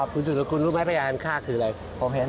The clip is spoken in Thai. คุณสื่อคุณรู้ไหมพญาคัลภากคืออะไร